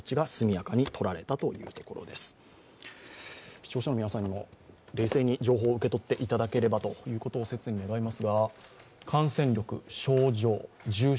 視聴者の皆さんにも冷静に情報を受け取っていただければと切に願います。